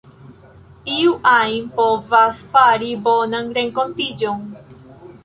Iu ajn povas fari bonan renkontiĝon.